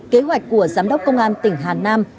kế hoạch của giám đốc công an tỉnh hà nam